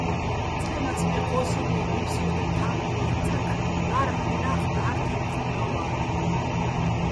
წყე, მაცმე ჴოსინე́ ნიფს ჲუყე ხა́ჸდიეჼ წაქ, ლა́რაჸ მენა́ხ ტარო̆ თე́ფხანა́ ვა́ლ'ეჼ.